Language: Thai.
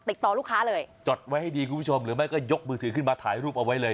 ลูกค้าเลยจดไว้ให้ดีคุณผู้ชมหรือไม่ก็ยกมือถือขึ้นมาถ่ายรูปเอาไว้เลย